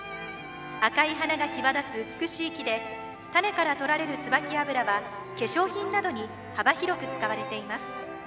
赤い花が際立つ美しい木で種から取られる椿油は化粧品などに幅広く使われています。